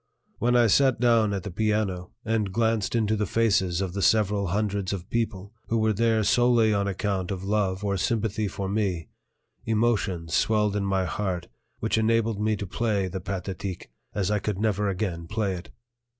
When I sat down at the piano and glanced into the faces of the several hundreds of people who were there solely on account of love or sympathy for me, emotions swelled in my heart which enabled me to play the "Pathétique" as I could never again play it.